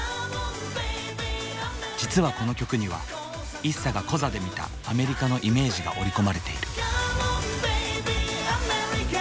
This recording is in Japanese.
実はこの曲にはＩＳＳＡがコザで見たアメリカのイメージが折り込まれている。